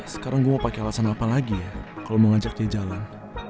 sekarang gua mau pake alasan apa lagi ya kalo mau ngajaknya jalan